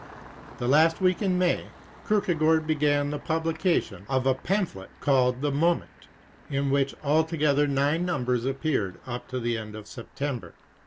The last week in May, Kierkegaard began the publication of a pamphlet called The Moment, of which altogether nine numbers appeared up to the end of September.